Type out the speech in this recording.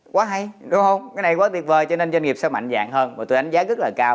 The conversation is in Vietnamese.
quá hay đúng không cái này quá tuyệt vời cho nên doanh nghiệp sẽ mạnh dạng hơn và tôi đánh giá rất là cao